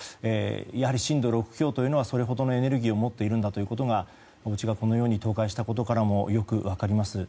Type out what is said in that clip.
やはり震度６強というのはそれほどのエネルギーを持っているんだということがおうちがこのように倒壊したことからもよく分かります。